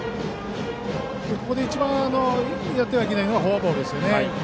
ここで一番やっちゃいけないのはフォアボール。